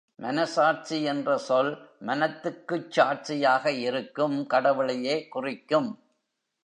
மனசாட்சி என்ற சொல், மனத்துக்குச் சாட்சியாக இருக்கும் கடவுளையே குறிக்கும்.